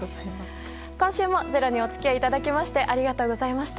今週も「ｚｅｒｏ」にお付き合いいただきましてありがとうございました。